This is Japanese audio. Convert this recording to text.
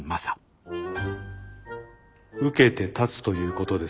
受けて立つということですね？